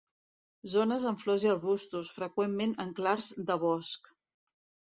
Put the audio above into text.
Zones amb flors i arbustos, freqüentment en clars de bosc.